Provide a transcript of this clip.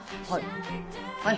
はい。